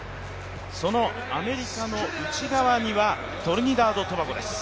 そのアメリカの内側にはトリニダード・トバゴです。